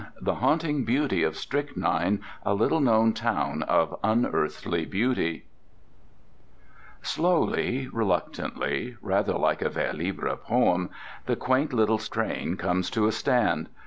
THE HAUNTING BEAUTY OF STRYCHNINE A LITTLE KNOWN TOWN OF UNEARTHLY BEAUTY Slowly, reluctantly (rather like a vers libre poem) the quaint little train comes to a stand.